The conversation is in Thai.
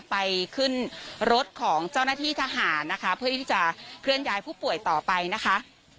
ไปขึ้นรถของเจ้าหน้าที่ทหารนะคะเพื่อที่จะเคลื่อนย้ายผู้ป่วยต่อไปนะคะ